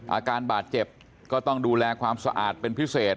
อาการบาดเจ็บก็ต้องดูแลความสะอาดเป็นพิเศษ